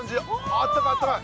あったかいあったかい！